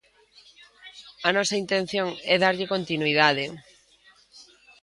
A nosa intención é darlle continuidade.